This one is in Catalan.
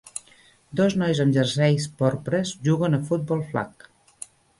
Dos nois amb jerseis porpres juguen a "futbol flag".